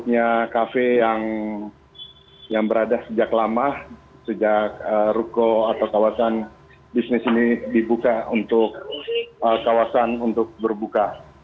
banyaknya kafe yang berada sejak lama sejak ruko atau kawasan bisnis ini dibuka untuk kawasan untuk berbuka